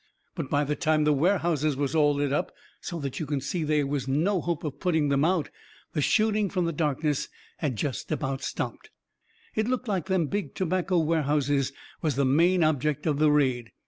But by the time the warehouses was all lit up so that you could see they was no hope of putting them out the shooting from the darkness had jest about stopped. It looked like them big tobacco warehouses was the main object of the raid.